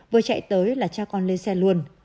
vừa chạy tới là cha con lên xe luôn